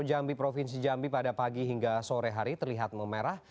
jambi pada pagi hingga sore hari terlihat memerah